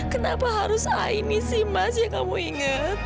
kenapa harus aini sih mas yang kamu ingat